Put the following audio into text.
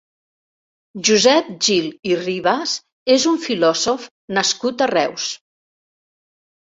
Josep Gil i Ribas és un filòsof nascut a Reus.